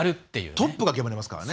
トップが決まりますからね。